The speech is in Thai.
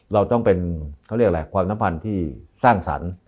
เราต้องเป็นเขาเรียกอะไรความสัมพันธ์ที่สร้างสรรค์